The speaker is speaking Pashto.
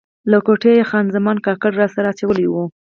له کوټې یې خان زمان کاکړ راسره اچولی و.